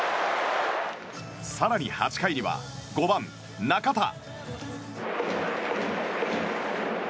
更に、８回には５番、中田。